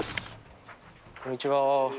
こんにちは。